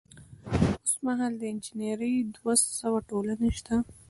اوس مهال د انجنیری دوه سوه ټولنې شته.